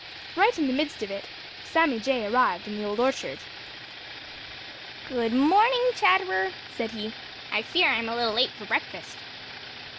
Right in the midst of it, Sammy Jay arrived in the Old Orchard. "Good morning, Chatterer," said he. "I fear I am a little late for breakfast."